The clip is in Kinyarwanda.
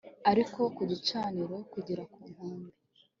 ariko ku gicaniro kugera ku nkombe